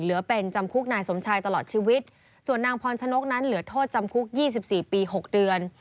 เหลือเป็นจำคุกนายสมชายตลอดชีวิตส่วนนางพรชนกนั้นเหลือโทษจำคุกยี่สิบสี่ปีหกเดือน